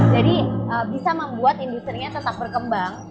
jadi bisa membuat industri nya tetap berkembang